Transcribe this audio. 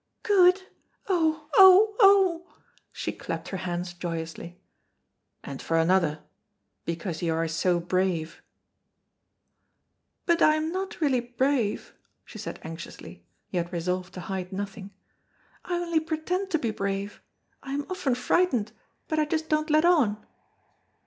"Good! Oh! oh! oh!" She clapped her hands joyously. "And for another because you are so brave." "But I am not really brave," she said anxiously, yet resolved to hide nothing, "I only pretend to be brave, I am often frightened, but I just don't let on."